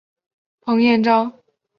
彭彦章。